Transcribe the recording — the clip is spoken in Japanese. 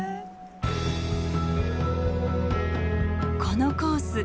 このコース